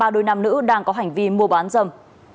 ba đôi nam nữ đang có hành vi mua bán dâm